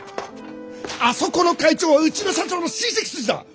あそこの会長はうちの社長の親戚筋だ！